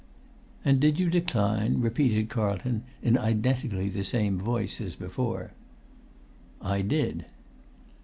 "And did you decline?" repeated Carlton, in identically the same voice as before. "I did."